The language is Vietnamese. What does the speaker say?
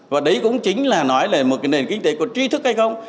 và đấy cũng chính là nói là một cái nền kinh tế có trí thức hay không